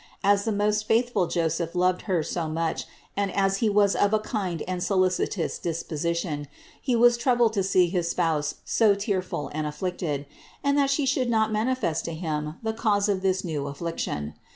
As the most faithful Joseph loved Her so much, and as he was of a kind and solicitous disposition, he was troubled to see his Spouse so tearful and afflicted, and that She sho'uld not manifest to him the cause of this new affliction.